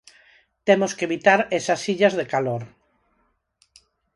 Temos que evitar esas illas de calor.